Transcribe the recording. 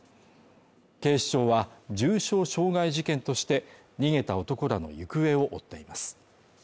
警視庁は、重傷傷害事件として逃げた男らの行方を追っています。